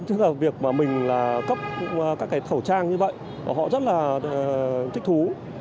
tức là việc mà mình là cấp các cái khẩu trang như vậy họ rất là thích thú